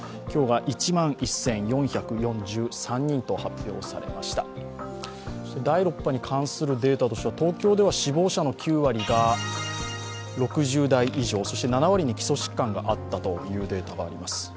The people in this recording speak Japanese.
今日が１万１４４３人と発表されました第６波に関するデータとしては東京では死亡者の９割が６０代以上、７割に基礎疾患があったというデータが出ています。